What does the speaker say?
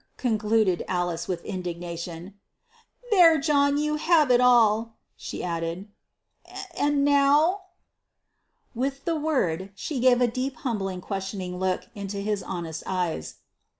concluded Alice with indignation. "There, John! you have it all," she added. " And now?" With the word she gave a deep, humbly questioning look into his honest eyes.